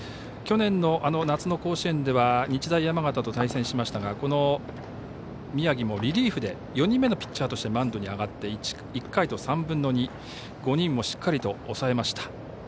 去年の夏の甲子園では日大山形と対戦しましたがこの宮城もリリーフで４人目のピッチャーとしてマウンドに上がって１回と３分の２５人をしっかり抑えました。